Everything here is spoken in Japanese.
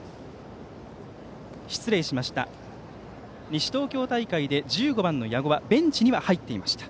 西東京大会で１５番の矢後はベンチには入っていました。